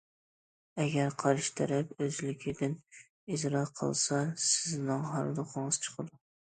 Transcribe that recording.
ئەگەر قارشى تەرەپ ئۆزلۈكىدىن ئىجرا قىلسا، سىزنىڭ ھاردۇقىڭىز چىقىدۇ.